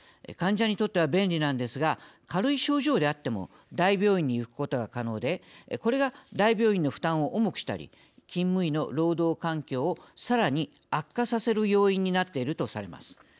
患者にとっては便利なんですが軽い症状であっても大病院に行くことが可能でこれが大病院の負担を重くしたり勤務医の労働環境をさらに悪化させる要因になっているとされます。